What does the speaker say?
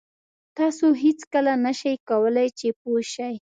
تاسو هېڅکله نه شئ کولای چې پوه شئ.